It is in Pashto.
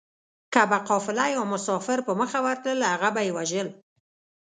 که به قافله يا مسافر په مخه ورتلل هغه به يې وژل